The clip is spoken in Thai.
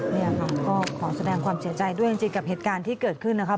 นี่ค่ะก็ขอแสดงความเสียใจด้วยจริงกับเหตุการณ์ที่เกิดขึ้นนะคะ